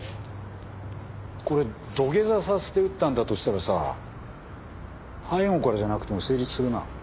これ土下座させて撃ったんだとしたらさ背後からじゃなくても成立するな。